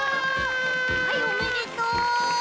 はいおめでとう！